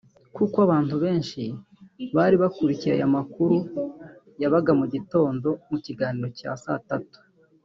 Kuko abantu benshi bari bakurikiye aya makuru yabaga mu gitondo mu kiganiro cya saa tatu